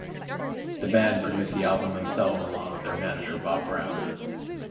The band produced the album themselves along with their manager, Bob Brown.